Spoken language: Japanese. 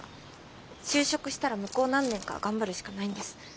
就職したら向こう何年かは頑張るしかないんです。